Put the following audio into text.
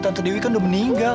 tante dewi kan udah meninggal